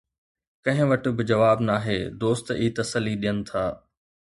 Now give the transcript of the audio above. ڪنهن وٽ به جواب ناهي، دوست ئي تسلي ڏين ٿا.